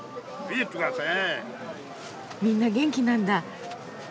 みんな元気なんだ。